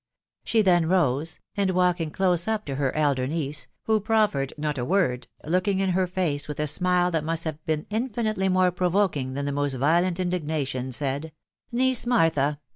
She then rose, and walking close up to her elder niece, who proffered not a word, looking in her face with a smile that must have been infinitely more provoking than the most violent indignation, said, " Niece Martha